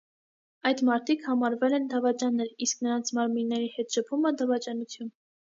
Այդ մարդիկ համարվել են դավաճաններ, իսկ նրանց մարմինների հետ շփումը՝ դավաճանություն։